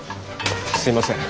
すいません。